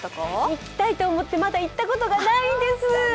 行きたいと思ってまだ行ったことがないんです。